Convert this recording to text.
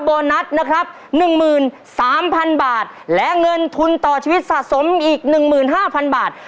โบนัสนะครับ๑๓๐๐๐บาทและเงินทุนต่อชีวิตสะสมอีก๑๕๐๐๐บาท